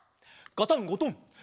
ガタンゴトン！